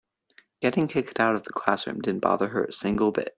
Getting kicked out of the classroom didn't bother her a single bit.